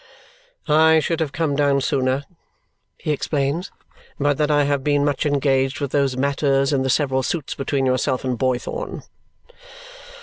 "I should have come down sooner," he explains, "but that I have been much engaged with those matters in the several suits between yourself and Boythorn."